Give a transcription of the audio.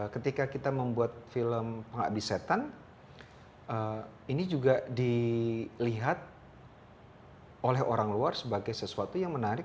ketika kita membuat film pengabdi setan ini juga dilihat oleh orang luar sebagai sesuatu yang menarik